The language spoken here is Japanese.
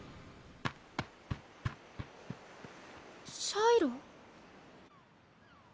シャイロ？